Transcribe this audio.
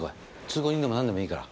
通行人でも何でもいいから。